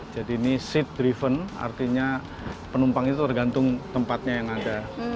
jadi ini seat driven artinya penumpang itu tergantung tempatnya yang ada